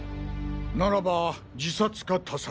ならば自殺か他殺。